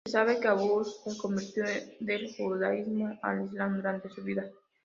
Se sabe que Abu-l-Barakat se convirtió del judaísmo al Islam durante su vida.